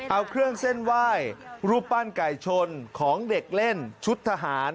เอาเครื่องเส้นไหว้รูปปั้นไก่ชนของเด็กเล่นชุดทหาร